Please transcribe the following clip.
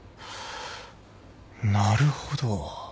なるほど。